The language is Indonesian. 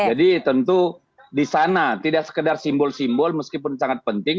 jadi tentu di sana tidak sekedar simbol simbol meskipun sangat penting